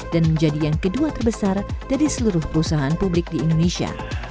dan menjadi yang kedua terbesar dari seluruh perusahaan publik di indonesia